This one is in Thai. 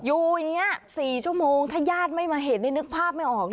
อยู่อย่างนี้๔ชั่วโมงถ้าญาติไม่มาเห็นนี่นึกภาพไม่ออก